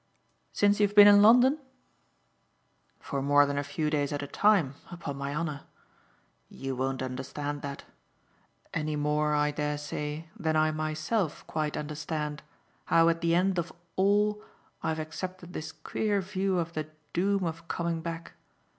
"Since you've been in London?" "For more than a few days at a time, upon my honour. You won't understand that any more, I dare say, than I myself quite understand how at the end of all I've accepted this queer view of the doom of coming back.